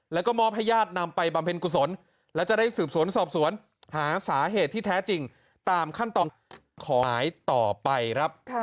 แล้วก็มอบให้ญาตินำไปบำเพ็ญกุศลและจะได้สืบสวนสอบสวนหาสาเหตุที่แท้จริงตามขั้นตอนของหายต่อไปครับ